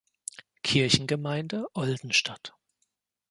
Kirchengemeinde Oldenstadt.